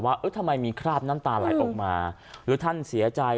ทำไมมีคราบน้ำตาไหลออกมาหรือท่านเสียใจ